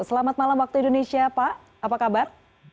selamat malam waktu indonesia pak apa kabar